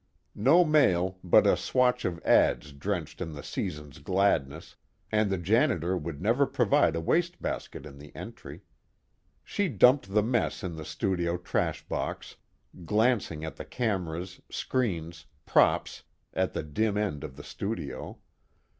No mail but a swatch of ads drenched in the season's gladness, and the janitor would never provide a wastebasket in the entry. She dumped the mess in the studio trash box, glancing at the cameras, screens, props, at the dim end of the studio.